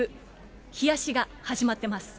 冷やしが始まってます。